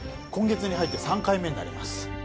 今月に入って３回目になります